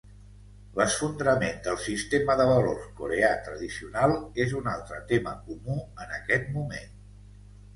L'esfondrament del sistema de valors coreà tradicional és un altre tema comú en aquest moment.